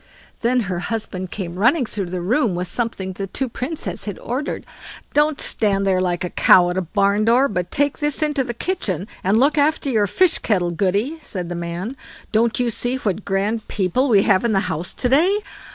Then her husband came running through the room with something the two Princes had ordered. "Don't stand there staring like a cow at a barn door, but take this into the kitchen, and look after your fish kettle, Goody", said the man; "don't you see what grand people we have in the house to day?"